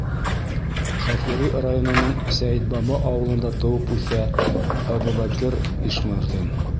Ғафури районының Сәйетбаба ауылында тыуып үҫә Әбүбәкер Ишмырҙин.